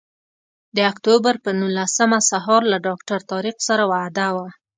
د اکتوبر پر نولسمه سهار له ډاکټر طارق سره وعده وه.